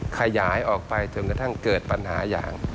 ขยายออกไปจนกระทั่งเกิดปัญหาอย่าง